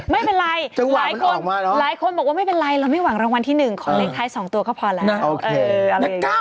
ไม่เป็นไรหลายคนหลายคนบอกว่าไม่เป็นไรเราไม่หวังรางวัลที่๑ของเลขท้าย๒ตัวก็พอแล้ว